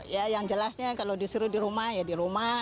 ya yang jelasnya kalau disuruh di rumah ya di rumah